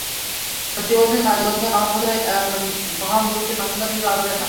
সত্যি বলছি, সারা জীবনেও আমার মতো এমন মহামূর্খের সন্ধান তুমি পাবে না।